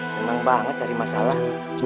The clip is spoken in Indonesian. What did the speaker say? seneng banget cari masalah